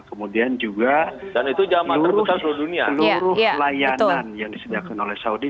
kemudian juga seluruh layanan yang disediakan oleh saudi